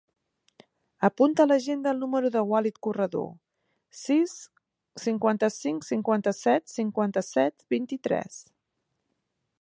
Apunta a l'agenda el número del Walid Corredor: sis, cinquanta-cinc, cinquanta-set, cinquanta-set, vint-i-tres.